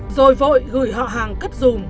rồi vội gửi họ hàng cất dùm